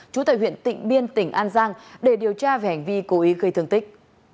chú tài huyện tỉnh biên tỉnh an giang để điều tra về hành vi cố ý gây thương tích